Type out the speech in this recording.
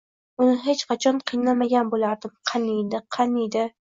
uni hech qachon qiynamagan boʻlardim. Qaniydi… Qaniydi…”